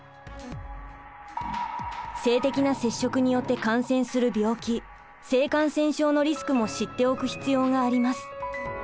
性的な接触によって感染する病気性感染症のリスクも知っておく必要があります。